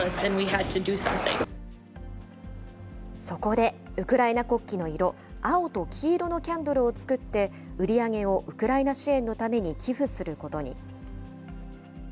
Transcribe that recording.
そこで、ウクライナ国旗の色、青と黄色のキャンドルを作って、売り上げをウクライナ支援のために寄付することに。